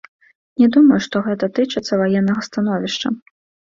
Не думаю, што гэта тычыцца ваеннага становішча.